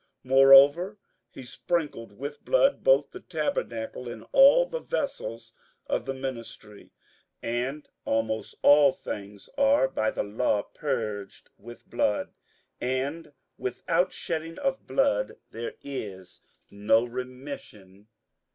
58:009:021 Moreover he sprinkled with blood both the tabernacle, and all the vessels of the ministry. 58:009:022 And almost all things are by the law purged with blood; and without shedding of blood is no remission.